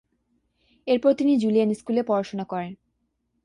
এরপর তিনি জুলিয়েন স্কুলে পড়াশুনো করেন।